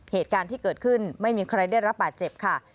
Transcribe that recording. เหตุการณ์ที่เกิดขึ้นไม่มีใครได้รับบาดเจ็บค่ะ